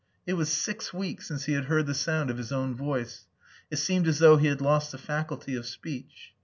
It was six weeks since he had heard the sound of his own voice. It seemed as though he had lost the faculty of speech.